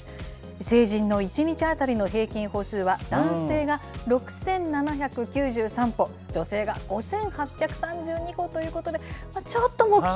成人の１日当たりの平均歩数は、男性が６７９３歩、女性が５８３２歩ということで、ちょっと目標